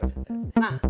nah lembaran terakhir